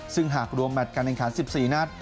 ซึ่งหากรวมแมทการแข่งขัน๑๔นัด